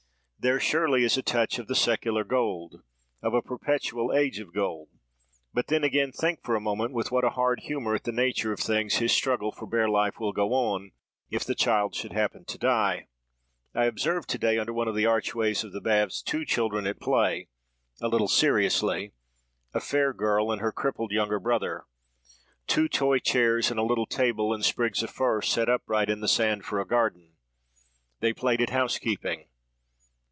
There, surely, is a touch of the secular gold, of a perpetual age of gold. But then again, think for a moment, with what a hard humour at the nature of things, his struggle for bare life will go on, if the child should happen to die. I observed to day, under one of the archways of the baths, two children at play, a little seriously—a fair girl and her crippled younger brother. Two toy chairs and a little table, and sprigs of fir set upright in the sand for a garden! They played at housekeeping.